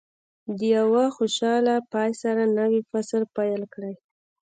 د یوه خوشاله پای سره نوی فصل پیل کړئ.